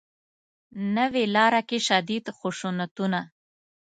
نوې لاره کې شدید خشونتونه